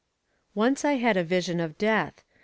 "'... Once I had a vision of Death.